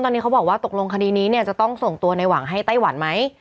ตอนนี้เขาบอกว่าตกลงคดีนี้เนี่ยจะต้องส่งตัวในหวังให้ไต้หวันไหม